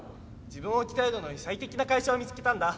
自分を鍛えるのに最適な会社を見つけたんだ！